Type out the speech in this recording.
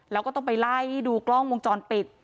แล้วก็ต้องไปไล่ดูกล้องวงจรปิด